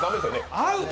アウト！